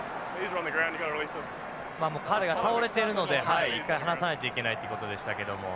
まあ彼が倒れているので一回離さないといけないということでしたけども。